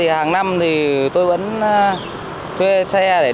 hàng năm tôi vẫn thuê xe để đi